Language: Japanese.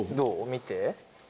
見て。